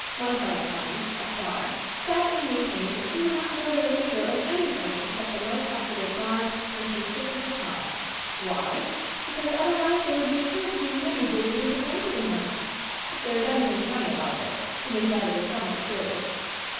One friend of mine, a star, stoutly maintains that she would not go to the theater in anything except the most up to date garb and a conspicuous car! Why? Because otherwise there would be sure to be many who would be disappointed in her! If there is anything funny about this it is that it is somewhat true.